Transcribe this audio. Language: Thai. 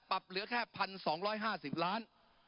ปรับไปเท่าไหร่ทราบไหมครับ